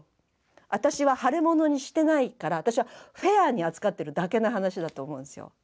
あたしは腫れ物にしてないからあたしはフェアに扱ってるだけの話だと思うんですよ。